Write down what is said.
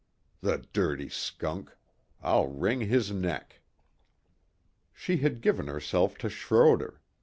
"The dirty skunk! I'll wring his neck!" She had given herself to Schroder!